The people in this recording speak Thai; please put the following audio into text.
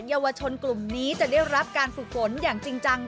เยาวชนกลุ่มนี้จะได้รับการฝึกฝนอย่างจริงจัง